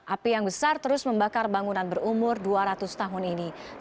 api yang besar terus membakar bangunan berumur dua ratus tahun ini